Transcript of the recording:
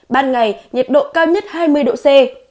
ban ngày nhiệt độ cao nhất hai mươi độ c